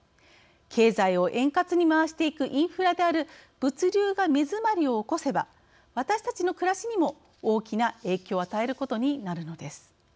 経済を円滑に回していくインフラである物流が目詰まりを起こせば私たちの暮らしにも大きな影響を与えることになるのです。